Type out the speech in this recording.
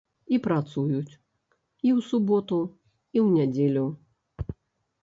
І працуюць і ў суботу, і ў нядзелю.